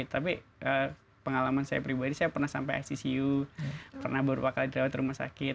tapi pengalaman saya pribadi saya pernah sampai sccu pernah berwakil dirawat rumah sakit